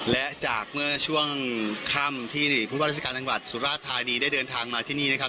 และจากเมื่อช่วงค่ำที่ผู้ว่าราชการจังหวัดสุราธานีได้เดินทางมาที่นี่นะครับ